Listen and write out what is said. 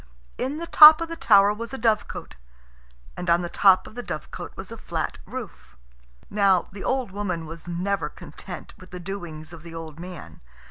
In the top of the tower was a dovecot, and on the top of the dovecot was a flat roof. Now, the old woman was never content with the doings of the old man.